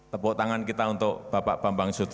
tepuk tangan kita untuk bapak bambang sudha